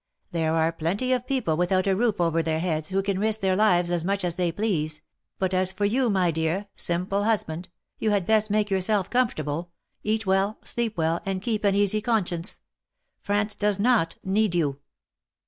There are plenty of people without a roof over their heads, who can risk their lives as much as they please, but as for you, my dear, simple husband, you had best make yourself comfortable, eat well, sleep well, and keep an easy conscience. France does not need you."